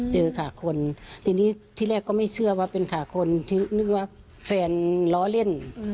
ขาคนทีนี้ที่แรกก็ไม่เชื่อว่าเป็นขาคนที่นึกว่าแฟนล้อเล่น